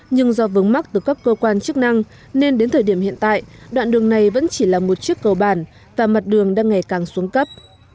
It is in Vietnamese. nhưng do vướng mắc từ các cơ quan chức năng nên đến thời điểm hiện tại đoạn đường này vẫn chỉ là một chiếc cầu bản và mặt đường đang ngày càng xuống cấp